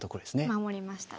守りましたね。